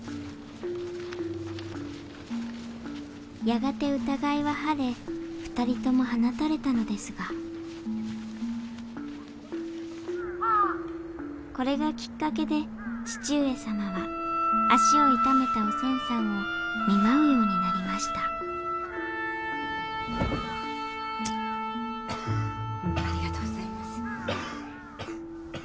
やがて疑いは晴れ２人とも放たれたのですがこれがきっかけで義父上様は足を痛めたおせんさんを見舞うようになりましたありがとうございます。